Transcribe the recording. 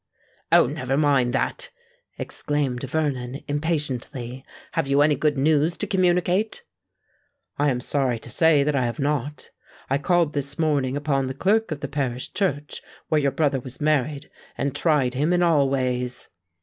"Oh! never mind that," exclaimed Vernon, impatiently. "Have you any good news to communicate?" "I am sorry to say that I have not. I called this morning upon the clerk of the parish church where your brother was married, and tried him in all ways."